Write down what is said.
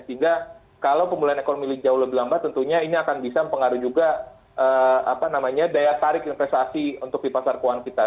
sehingga kalau pemulihan ekonomi jauh lebih lambat tentunya ini akan bisa pengaruh juga apa namanya daya tarik investasi untuk di pasar keuangan kita